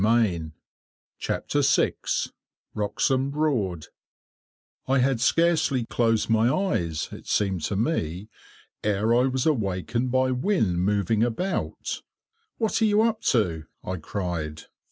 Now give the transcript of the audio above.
[Picture: Decorative drop capital] I had scarcely closed my eyes, it seemed to me, ere I was awakened by Wynne moving about. "What are you up to?" I cried.